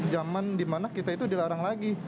zaman dimana kita itu dilarang lagi